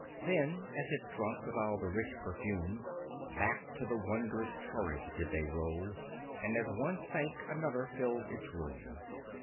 Then, as if drunk with all the rich perfume, Back to the wondrous torrent did they roll, And as one sank another filled its room."